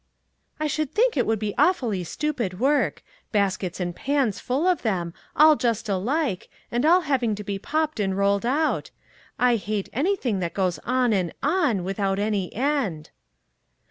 " I should think it would be awfully stupid work; baskets and pans full of them, all just alike, and all having to be popped and rolled out; I hate anything that goes on and on without any end."